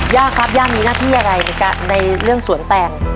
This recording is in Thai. ย่าครับย่ามีหน้าที่อะไรในเรื่องสวนแตง